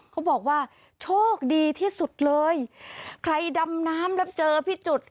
เขาบอกว่าโชคดีที่สุดเลยใครดำน้ำแล้วเจอพี่จุด